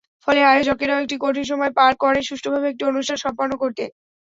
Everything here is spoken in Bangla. ফলে আয়োজকেরাও একটি কঠিন সময় পার করেন সুষ্ঠুভাবে একটি অনুষ্ঠান সম্পন্ন করতে।